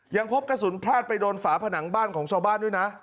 ยังพบกระสุนพลาดไปโดนฝาผนังบ้านของชาวบ้านด้วยนะ